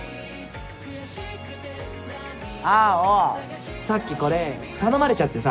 青さっきこれ頼まれちゃってさ。